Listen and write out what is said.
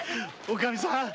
おかみさん